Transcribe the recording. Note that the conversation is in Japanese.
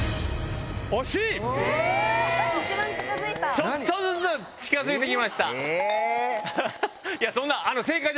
ちょっとずつ近づいて来ました！